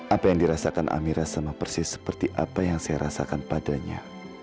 apa yang dirasakan amira sama persis seperti apa yang saya rasakan padanya